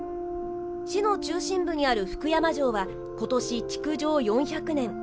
市の中心部にある福山城は今年、築城４００年。